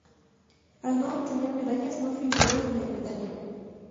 Al no obtener medallas no figuró en el medallero.